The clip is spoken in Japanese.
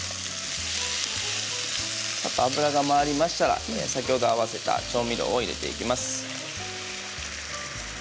油が回りましたら先ほど合わせた調味料を入れていきます。